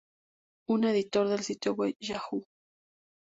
Un editor del sitio web Yahoo!